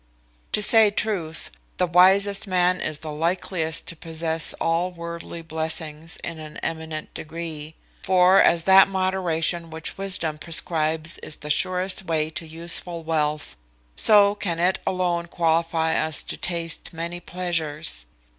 To say truth, the wisest man is the likeliest to possess all worldly blessings in an eminent degree; for as that moderation which wisdom prescribes is the surest way to useful wealth, so can it alone qualify us to taste many pleasures.